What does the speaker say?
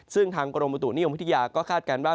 ซึ่งทางกรมบุตุนิยมวิทยาก็คาดการณ์ว่า